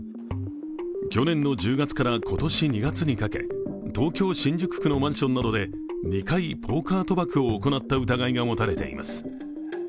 去年の１０月から今年２月にかけ、東京・新宿区のマンションなどで２回、ポーカー賭博などを行った疑いが持たれています。